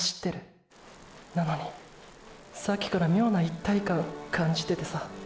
なのにさっきから妙な一体感感じててさ。